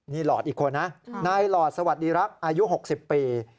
นี่หลอดอีกคนนะนายหลอดสวัสดีรักษ์อายุ๖๐ปี